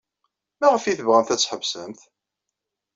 Maɣef ay tebɣamt ad tḥebsemt?